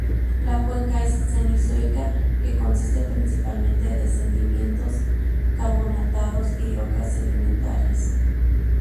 La cuenca es Cenozoica que consiste principalmente de sedimentos carbonatados y rocas sedimentarias.